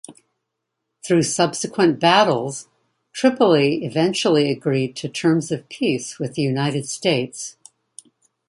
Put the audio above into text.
Through subsequent battles, Tripoli eventually agreed to terms of peace with the United States.